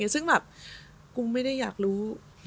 ซึ่งแบบกุ้งไม่ได้อยากรู้